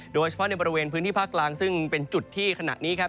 โดยเฉพาะในบริเวณพื้นที่ภาคกลางซึ่งเป็นจุดที่ขณะนี้ครับ